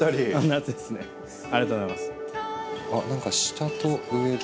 夏ですねありがとうございます。